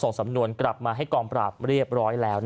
สำนวนกลับมาให้กองปราบเรียบร้อยแล้ว